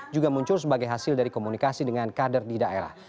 juga muncul sebagai hasil dari komunikasi dengan kader di daerah